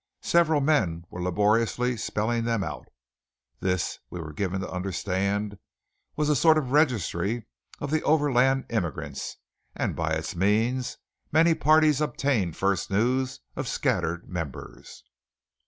Several men were laboriously spelling them out. This, we were given to understand, was a sort of register of the overland immigrants; and by its means many parties obtained first news of scattered members.